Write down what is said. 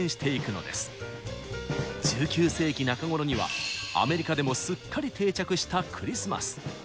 １９世紀中頃にはアメリカでもすっかり定着したクリスマス。